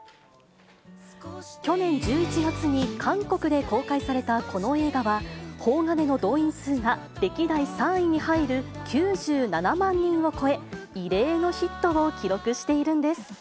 去年１１月に韓国で公開されたこの映画は、邦画での動員数が歴代３位に入る９７万人を超え、異例のヒットを記録しているんです。